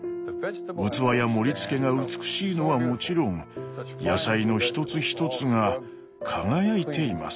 器や盛りつけが美しいのはもちろん野菜の一つ一つが輝いています。